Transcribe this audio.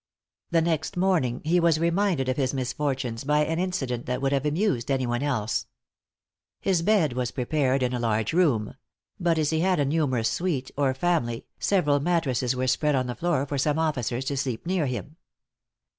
The next morning he was reminded of his misfortunes by an incident that would have amused any one else. His bed was prepared in a large room; but as he had a numerous suite, or family, several mattresses were spread on the floor for some officers to sleep near him.